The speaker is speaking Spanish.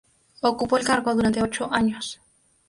Ocupó el cargo durante ocho años.